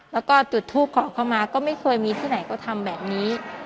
แล้วก็จุดทูปขอเข้ามาก็ไม่เคยมีที่ไหนก็ทำแบบนี้